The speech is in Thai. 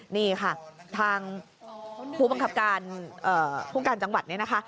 นี่ค่ะทางผู้บังคับการผู้การจังหวัดเนี่ยนะคะ